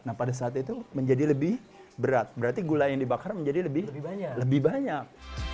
nah pada saat itu menjadi lebih berat berarti gula yang dibakar menjadi lebih banyak